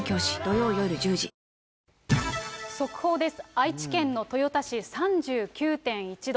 愛知県の豊田市３９．１度。